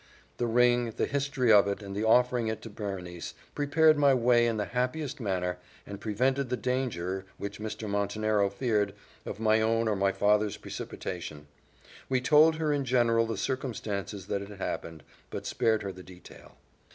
The ring, the history of it, and the offering it to Berenice, prepared my way in the happiest manner, and prevented the danger, which Mr. Montenero feared, of my own or my father's precipitation. We told her in general the circumstances that had happened, but spared her the detail.